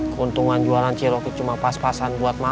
keuntungan jualan cilok itu cuma pas pasan buat makan